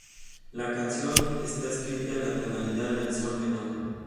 La canción está escrita en la tonalidad de sol menor.